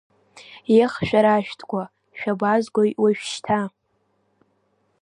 Ех, шәара ашәҭқәа, шәабазгои уажәшьҭа…